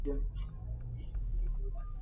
এই সংসার বৃত্ত থেকে আমাদের বেরুতেই হবে।